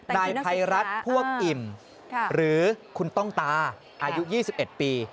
นายภัยรัฐพวกอิ่มหรือคุณต้องตาอายุ๒๑ปี